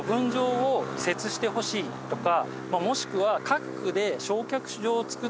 もしくは。